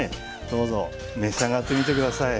どうぞ召し上がってみて下さい。